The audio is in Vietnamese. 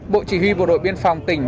bộ chỉ huy bộ đội biên phòng tỉnh